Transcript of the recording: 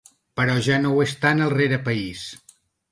Però ja no ho és tant el rerepaís.